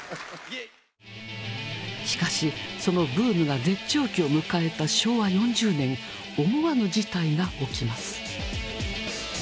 しかしそのブームが絶頂期を迎えた昭和４０年思わぬ事態が起きます。